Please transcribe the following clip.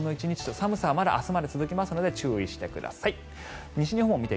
寒さはまだ明日まで続きますので注意してください。